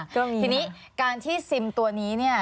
ทีนี้ทีนี้การที่ซิมตัวนี้เนี่ย